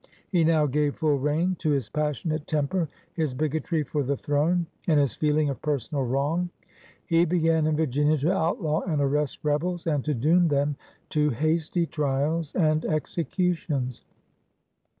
He now gave full rein to his passionate temper, his bigotry for the throne, and his feeling of personal wrong. He b^an in Virginia to outlaw and arrest rebels, and to doom them to hasty trials and executions.